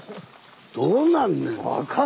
どうなんねん。